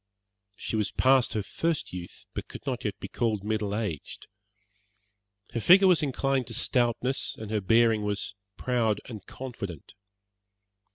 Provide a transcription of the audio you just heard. She was past her first youth, but could not yet be called middle aged. Her figure was inclined to stoutness and her bearing was proud and confident.